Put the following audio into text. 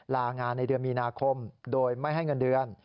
ลางานในเดือนมีนาคมโดยไม่ให้เงินเดือน